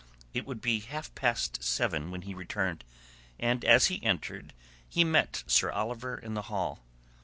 It would be half past seven when he returned; and as he entered he met Sir Oliver in the hall.